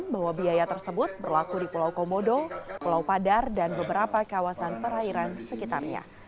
bahwa biaya tersebut berlaku di pulau komodo pulau padar dan beberapa kawasan perairan sekitarnya